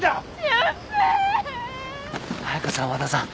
彩佳さん和田さん。